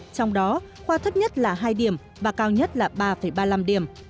trong đó khoa thấp nhất là hai điểm và cao nhất là ba ba mươi năm điểm